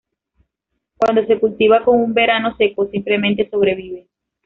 Cuando se cultiva con un verano seco simplemente sobrevive.